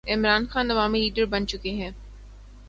عمران خان عوامی لیڈر بن چکے ہیں۔